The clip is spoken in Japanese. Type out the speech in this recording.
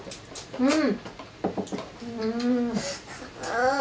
うん。